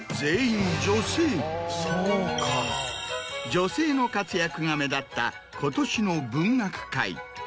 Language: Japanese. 女性の活躍が目立った今年の文学界。